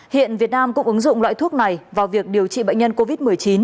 hiện việt nam cũng ứng dụng loại thuốc này vào việc điều trị bệnh nhân covid một mươi chín